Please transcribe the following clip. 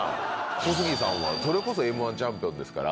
小杉さんは、それこそＭー１チャンピオンですから。